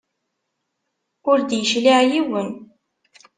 Ur d-yecliɛ yiwen.